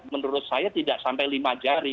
menurut saya tidak sampai lima jari